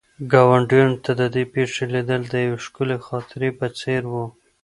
ګاونډیانو ته د دې پېښې لیدل د یوې ښکلې خاطرې په څېر وو.